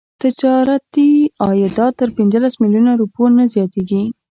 تجارتي عایدات تر پنځلس میلیونه روپیو نه زیاتیږي.